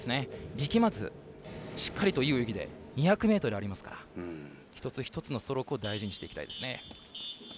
力まずしっかりといい泳ぎで２００ｍありますから一つ一つのストロークを大事にしていきたいですね。